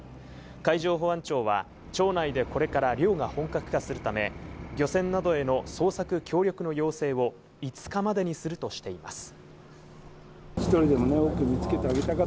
海上保安庁は町内でこれから漁が本格化するため漁船などへの捜索協力の要請を５日までにするとしています。